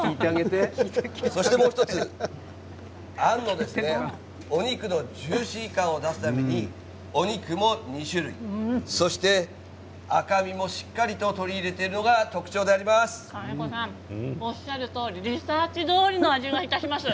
そして、もう１つあんのお肉のジューシー感を出すためにお肉も２種類そして赤身も、しっかりと取り入れているのがおっしゃるとおりリサーチどおりの味がします。